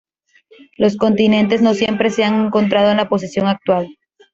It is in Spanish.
Los continentes no siempre se han encontrado en la posición actual.